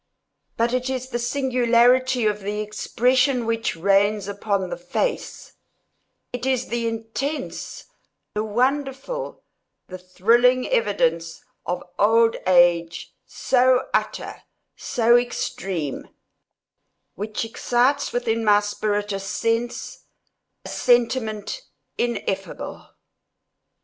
But it is the singularity of the expression which reigns upon the face—it is the intense, the wonderful, the thrilling evidence of old age, so utter, so extreme, which excites within my spirit a sense—a sentiment ineffable.